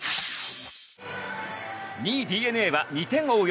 ２位、ＤｅＮＡは２点を追う